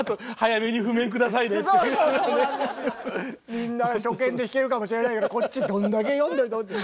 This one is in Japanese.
みんな初見で弾けるかもしれないけどこっちどんだけ読んでるのって。